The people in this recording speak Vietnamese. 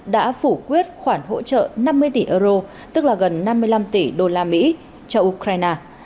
đã phủ quyết khoản hỗ trợ năm mươi tỷ euro tức là gần năm mươi năm tỷ đô la mỹ cho ukraine